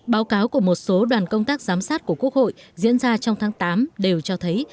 báo cáo của một số đoàn công tác giám sát của quốc hội diễn ra trong tháng tám đều cho thấy